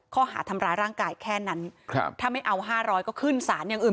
ข้อหาทำร้ายร่างกายแค่นั้นครับถ้าไม่เอา๕๐๐ก็ขึ้นสารอย่างอื่น